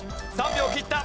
３秒切った。